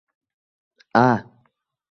aaa?